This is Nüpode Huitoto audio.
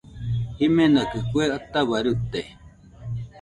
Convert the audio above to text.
Jimenakɨ kue ataua rite